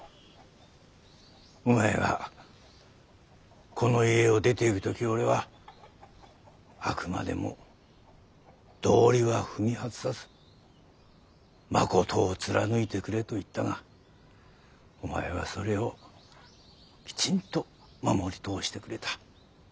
お前がこの家を出ていく時俺は「あくまでも道理は踏み外さずまことを貫いてくれ」と言ったがお前はそれをきちんと守り通してくれた。